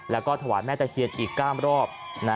แล้วก็ถวายแม่ตะเคียนอีก๙รอบ